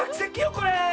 これ！